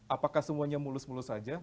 apakah semuanya mulus mulus saja